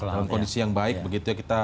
dalam kondisi yang baik begitu ya kita